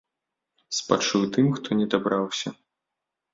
Спачуваю тым, хто не дабраўся.